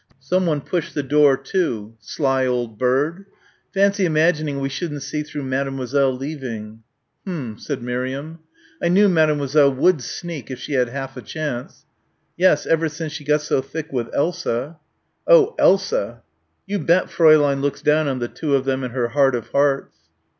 Someone pushed the door to. "Sly old bird." "Fancy imagining we shouldn't see through Mademoiselle leaving." "H'm," said Miriam. "I knew Mademoiselle would sneak if she had half a chance." "Yes, ever since she got so thick with Elsa." "Oh! Elsa." "You bet Fräulein looks down on the two of them in her heart of hearts."